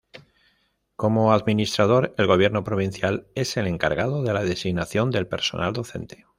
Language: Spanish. Como administrador, el gobierno provincial es el encargado de la designación del personal docente.